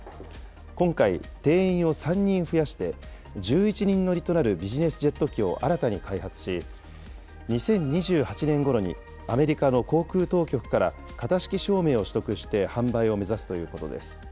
今回、定員を３人増やして１１人乗りとなるビジネスジェット機を新たに開発し、２０２８年ごろにアメリカの航空当局から型式証明を取得して販売を目指すということです。